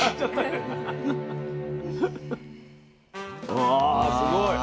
あすごい。